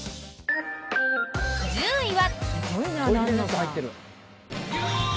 １０位は。